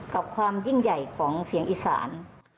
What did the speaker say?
กับความยิ่งใหญ่ของเสียงอีสาน